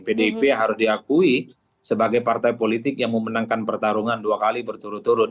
pdip harus diakui sebagai partai politik yang memenangkan pertarungan dua kali berturut turut